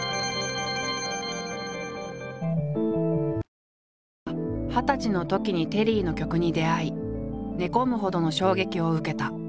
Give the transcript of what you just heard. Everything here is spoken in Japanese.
久石は二十歳のときにテリーの曲に出会い寝込むほどの衝撃を受けた。